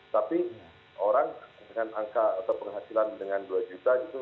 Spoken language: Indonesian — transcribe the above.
tapi orang dengan angka atau penghasilan dengan dua juta gitu